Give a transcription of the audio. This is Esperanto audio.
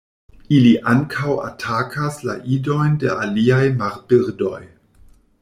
Ili ankaŭ atakas la idojn de aliaj marbirdoj.